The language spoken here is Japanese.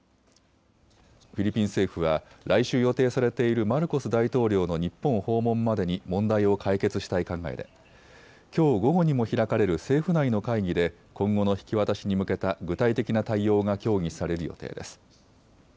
フィリピン政府は来週予定されているマルコス大統領の日本訪問までに問題を解決したい考えできょう午後にも開かれる政府内の会議で今後の引き渡しに向けた具体的な対応が協議される予定です。